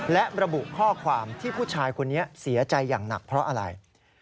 และระบุข้อความที่ผู้ชายคนนี้เสียใจอย่างหนักเพราะอะไร